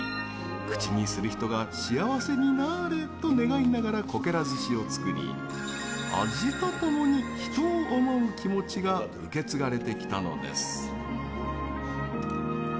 口にする人が幸せになれ、と願いながら、こけら寿司を作り味とともに人を思う気持ちが受け継がれてきたのです。